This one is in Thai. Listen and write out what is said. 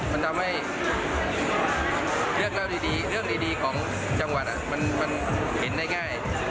มันทำให้เรื่องเล่าดีเรื่องดีของจังหวัดมันเห็นได้ง่าย